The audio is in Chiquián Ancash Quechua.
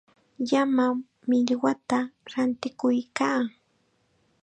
Llama millwata rantikuykaa.